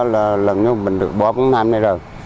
là lần như mình được bỏ bóng nam này rồi